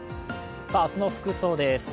明日の服装です。